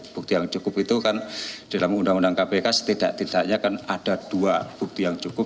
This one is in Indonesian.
bukti yang cukup itu kan dalam undang undang kpk setidak tidaknya kan ada dua bukti yang cukup